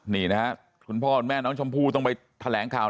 นี่นะครับคุณพ่อคุณแม่น้องชมพู่ต้องไปแถลงข่าว